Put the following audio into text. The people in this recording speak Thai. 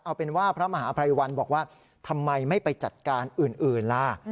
เอาเป็นว่าพระมหาภัยวันบอกว่าทำไมไม่ไปจัดการอื่นล่ะ